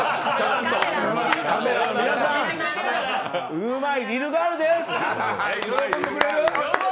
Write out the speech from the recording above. うまいリトルガールでーす。